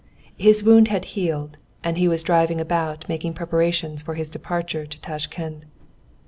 His wound had healed, and he was driving about making preparations for his departure for Tashkend.